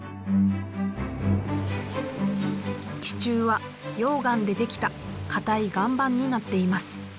地中は溶岩でできた固い岩盤になっています。